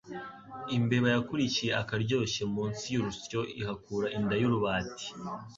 Imbeba yakurikiye akaryoshye munsi y’urusyo ihakura inda y’urubati